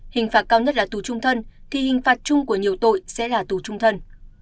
hình phạt cao nhất là tù trung thân thì hình phạt chung của nhiều tội sẽ là tù trung thân